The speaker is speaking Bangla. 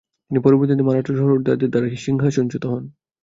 তিনি পরবর্তীতে মারাঠা সরদারদের দ্বারা সিংহাসনচ্যুত হন।